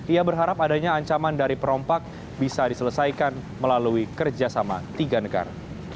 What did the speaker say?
ia berharap adanya ancaman dari perompak bisa diselesaikan melalui kerjasama tiga negara